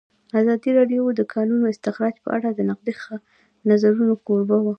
ازادي راډیو د د کانونو استخراج په اړه د نقدي نظرونو کوربه وه.